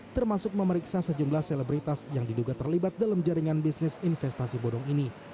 termasuk memeriksa sejumlah selebritas yang diduga terlibat dalam jaringan bisnis investasi bodong ini